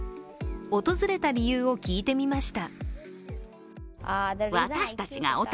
訪れた理由を聞いてみました。